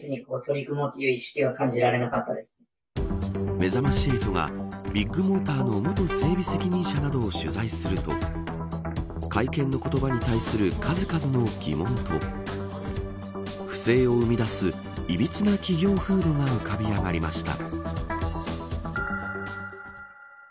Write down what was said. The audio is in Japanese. めざまし８がビッグモーターの元整備責任者などを取材すると会見の言葉に対する数々の疑問と不正を生み出すいびつな企業風土が浮かび上がりました。